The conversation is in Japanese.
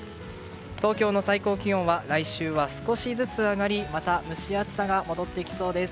東京の最高気温は来週は少しずつ上がりまた蒸し暑さが戻ってきそうです。